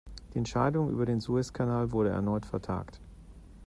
Die Entscheidung über den Suezkanal wurde erneut vertagt.